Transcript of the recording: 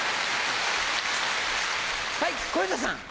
はい小遊三さん。